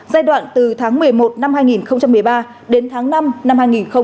giai đoạn từ tháng một mươi một năm hai nghìn một mươi ba đến tháng năm năm hai nghìn một mươi chín